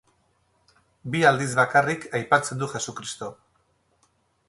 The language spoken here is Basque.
Bi aldiz bakarrik aipatzen du Jesu Kristo.